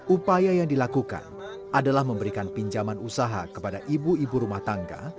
upaya yang dilakukan adalah memberikan pinjaman usaha kepada ibu ibu rumah tangga